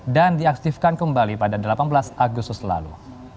dan diaktifkan kembali pada delapan belas agustus lalu